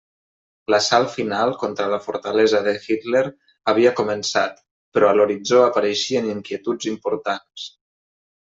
L'assalt final contra la fortalesa de Hitler havia començat, però a l'horitzó apareixien inquietuds importants.